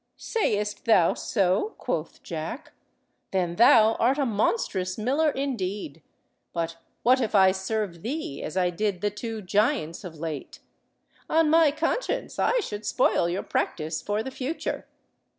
"Sayest thou so?" quoth Jack, "then thou art a monstrous miller indeed. But what if I serve thee as I did the two giants of late? On my conscience, I should spoil your practice for the future."